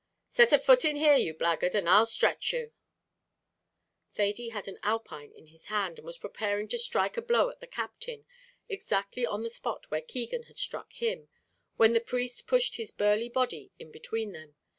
"Set a foot in here, you blackguard, and I'll stretch you!" Thady had an alpine in his hand, and was preparing to strike a blow at the Captain, exactly on the spot where Keegan had struck him, when the priest pushed his burly body in between them.